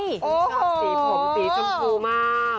สีผมสีชมพูมาก